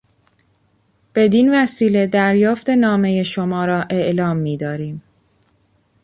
بدین وسیله دریافت نامهی شما را اعلام میداریم.